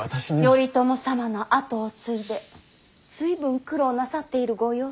頼朝様の跡を継いで随分苦労なさっているご様子。